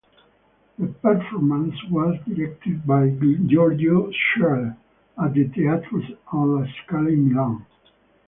The performance was directed by Giorgio Strehler at the Teatro alla Scala in Milan.